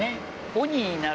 鬼になる。